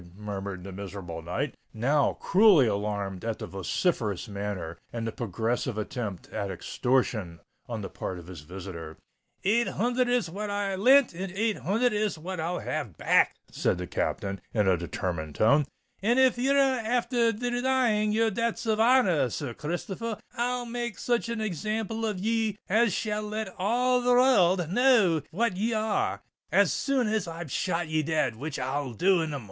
murmured the miserable knight, now cruelly alarmed at the ferocious manner and the progressive attempt at extortion on the part of his visitor. "Eight hunthred is what I lent, and eight hunthred is what I'll have back," said the Captain, in a determined tone: "and if ye're afther denying your debts of honour r, Sir Christopher, I'll make such an example of ye as shall let all the wor rld know what ye are—as soon as I've shot ye dead, which I'll do in the mornin'."